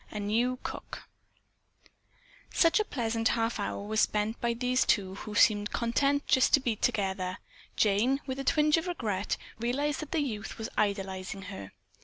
A NEW COOK Such a pleasant half hour was spent by these two who seemed content just to be together, Jane, with a twinge of regret, realized that the youth was idealizing her.